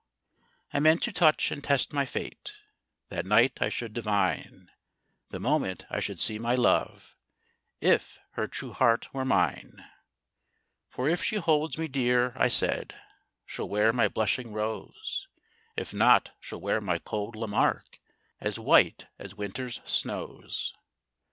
I meant to touch and test my fate; That night I should divine, The moment I should see my love, If her true heart were mine. For if she holds me dear, I said, She'll wear my blushing rose; If not, she'll wear my cold Lamarque, As white as winter's snows.